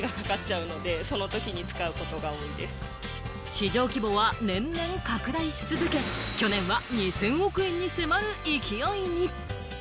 市場規模は年々拡大し続け、去年は２０００億円に迫る勢いに。